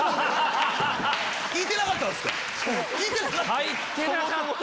入ってなかった！